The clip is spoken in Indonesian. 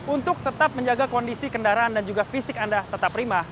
untuk tetap menjaga kondisi kendaraan dan juga fisik anda tetap prima